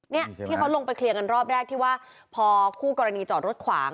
เนี่ยที่เขาลงไปเคลียร์กันรอบแรกที่ว่าพอคู่กรณีจอดรถขวาง